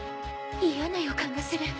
嫌な予感がする。